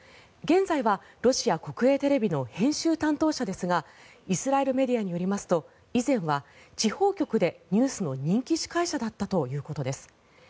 現在はロシア国営テレビの編集担当者ですがイスラエルメディアによりますと以前は地方局でニュースの人気司会者だったということです。